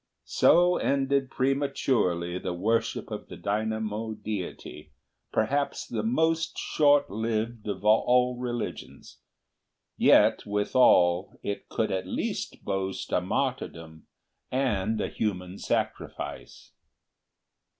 So ended prematurely the Worship of the Dynamo Deity, perhaps the most short lived of all religions. Yet withal it could at least boast a Martyrdom and a Human Sacrifice.